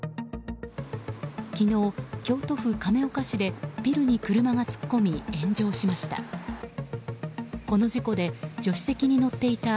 昨日、京都府亀岡市でビルに車が突っ込み炎上しました。